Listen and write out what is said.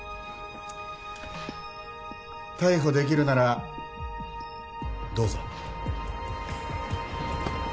逮捕できるならどうぞ。